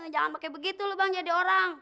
jangan pakai begitu lo bang jadi orang